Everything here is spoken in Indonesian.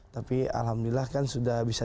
tapi alhamdulillah kan sudah bisa